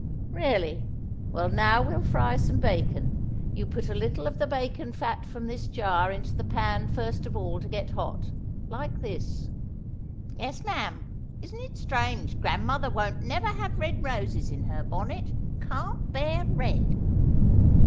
"Really! Well, now we'll fry some bacon. You put a little of the bacon fat from this jar into the pan first of all to get hot. Like this." "Yes, ma'am. Isn't it strange, grandmother won't never have red roses in her bonnet. Can't bear red."